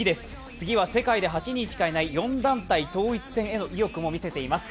次は世界で８人しかいない４団体統一選への意欲も見せています。